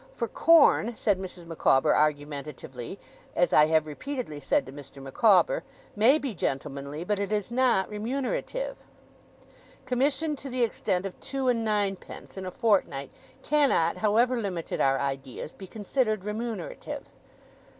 For corn,' said Mrs. Micawber argumentatively, 'as I have repeatedly said to Mr. Micawber, may be gentlemanly, but it is not remunerative. Commission to the extent of two and ninepence in a fortnight cannot, however limited our ideas, be considered remunerative.